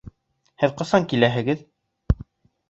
Һеҙ ҡасан киләһегеҙ?